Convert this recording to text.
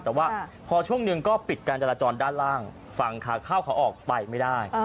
แต่ว่าพอช่วงหนึ่งก็ปิดการจราจรด้านล่างฝั่งขาเข้าขาออกไปไม่ได้